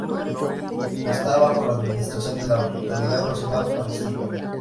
Está bajo la administración de la Autoridad Nacional Palestina.